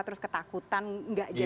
terus ketakutan gak jauh